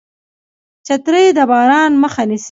چترۍ د باران مخه نیسي